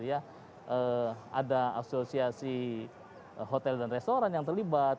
ada asosiasi hotel dan restoran yang terlibat